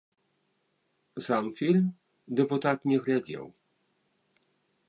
Сам фільм дэпутат не глядзеў.